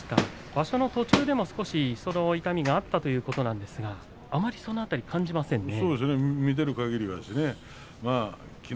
場所の途中では痛みがあったということなんですがそれを感じませんね。